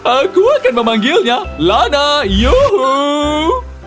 aku akan memanggilnya lana yuhuuu